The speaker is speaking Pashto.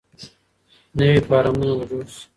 نوي فارمونه به جوړ شي.